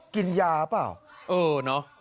กินยาเปล่าเออเนอะ